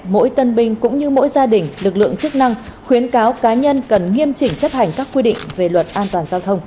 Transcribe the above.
mỗi tân binh cũng như mỗi gia đình lực lượng chức năng khuyến cáo cá nhân cần nghiêm chỉnh chấp hành các quy định về luật an toàn giao thông